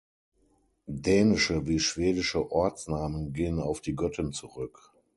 Dänische wie schwedische Ortsnamen gehen auf die Göttin zurück.